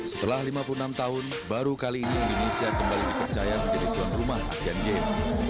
setelah lima puluh enam tahun baru kali ini indonesia kembali dipercaya menjadi tuan rumah asean games